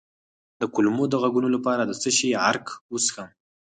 د کولمو د غږونو لپاره د څه شي عرق وڅښم؟